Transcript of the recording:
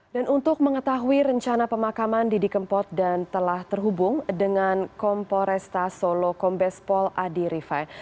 dan untuk mengetahui rencana pemakaman didi kempot dan telah terhubung dengan kompol resta solo kombespol andi rifai